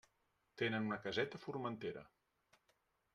Tenen una caseta a Formentera.